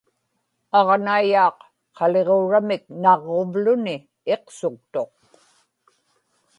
aġnaiyaaq qaliġuuramik naġġuvluni iqsuktuq